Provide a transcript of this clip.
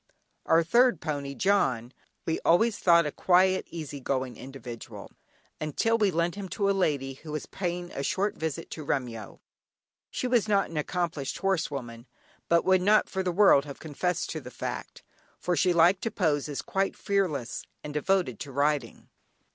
Our third pony "John" we always thought a quiet, easy going individual, until we lent him to a lady who was paying a short visit to Remyo. She was not an accomplished horse woman, but would not for the world have confessed to the fact, for she liked to pose as quite fearless, and devoted to riding.